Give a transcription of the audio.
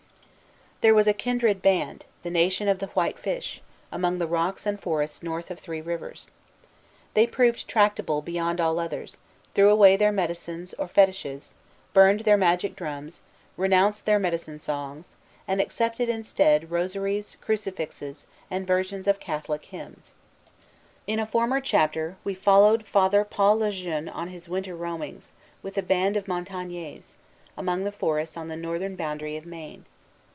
There was a kindred band, the Nation of the White Fish, among the rocks and forests north of Three Rivers. They proved tractable beyond all others, threw away their "medicines" or fetiches, burned their magic drums, renounced their medicine songs, and accepted instead rosaries, crucifixes, and versions of Catholic hymns. In a former chapter, we followed Father Paul Le Jeune on his winter roamings, with a band of Montagnais, among the forests on the northern boundary of Maine.